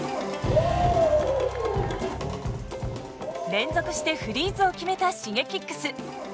連続してフリーズを決めたＳｈｉｇｅｋｉｘ。